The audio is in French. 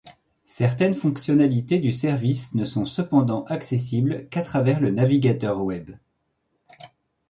Certaines fonctionnalités du service ne sont cependant accessibles qu’à travers le navigateur web.